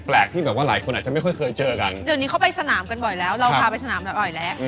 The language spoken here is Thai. ตอนนี้เขาไปสนามกันบ่อยแล้วเราพาไปสนามกันบ่อยแล้ว